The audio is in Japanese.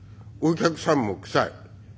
お客さんも臭い。